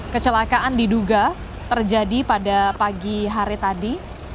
kecelakaan diduga terjadi pada pagi hari tadi